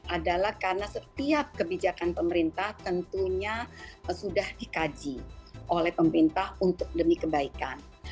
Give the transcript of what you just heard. adalah karena setiap kebijakan pemerintah tentunya sudah dikaji oleh pemerintah untuk demi kebaikan